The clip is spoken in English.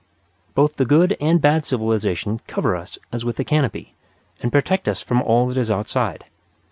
Both the good and bad civilization cover us as with a canopy, and protect us from all that is outside.